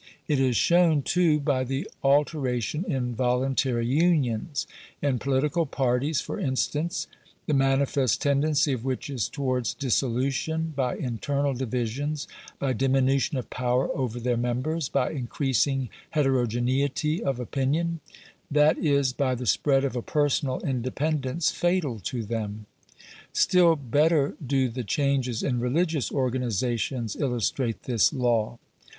It is shown, too, by the alteration in voluntary unions — in political parties, for instance ; the manifest tendency of which is towards disso lution, by internal divisions, by diminution of power over their members, by increasing heterogeneity of opinion; that is — by the spread of a personal independence fatal to them. Still better do the changes in religious organizations illustrate this law.